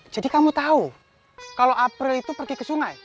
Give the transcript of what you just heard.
jadi kamu tahu kalau afril itu pergi ke sungai